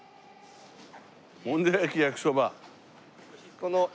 「もんじゃ焼きやきそば」。